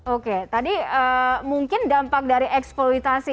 oke tadi mungkin dampak dari eksploitasi